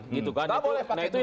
nggak boleh pakai duga